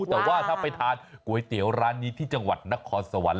แต่ว่าถ้าไปทานก๋วยเตี๋ยวร้านนี้ที่จังหวัดนครสวรรค์